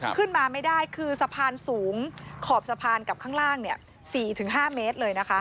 ขึ้นมาไม่ได้คือสะพานสูงขอบสะพานกับข้างล่าง๔๕เมตรเลยนะคะ